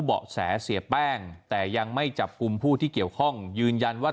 เบาะแสเสียแป้งแต่ยังไม่จับกลุ่มผู้ที่เกี่ยวข้องยืนยันว่า